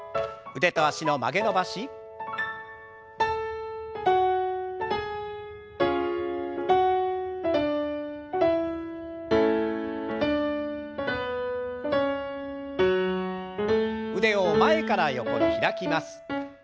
腕を前から横に開きます。